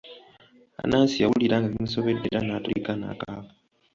Anansi yawulira nga bimusobedde eran'atulika n'akaaba